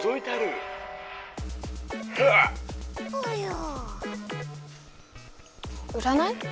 うらない？